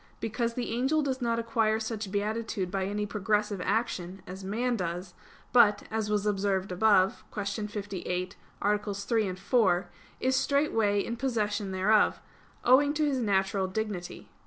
Because the angel does not acquire such beatitude by any progressive action, as man does, but, as was observed above (Q. 58, AA. 3, 4), is straightway in possession thereof, owing to his natural dignity.